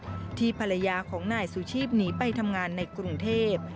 ที่ภรรยาของนายสุชีพหนีไปทำงานในกรุงเทพ